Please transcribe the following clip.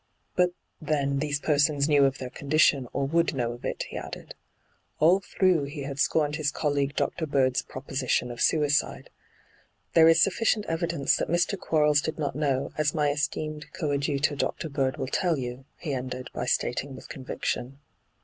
' But, then, these persons knew of their condition, or would know of it,' he added. All through he had scorned his collef^e Dr. Bird's proposition of suicide. ' There is suf ficient evidence that Mr. Quarles did not know, as my esteemed coadjutor Dr. Bird wiU tell you,' he ended by stating with con viction.